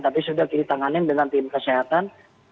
tapi sudah ditanganin dengan tim kesehatan